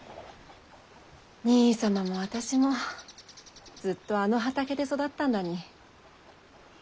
兄さまも私もずっとあの畑で育ったんだに。